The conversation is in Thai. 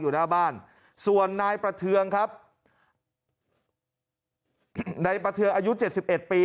อยู่หน้าบ้านส่วนนายประเทืองครับในประเทืองอายุ๗๑ปี